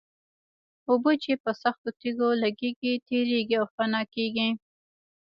اوبه چې په سختو تېږو لګېږي تېرېږي او فنا کېږي.